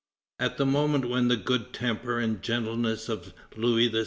At the moment when the good temper and gentleness of Louis XVI.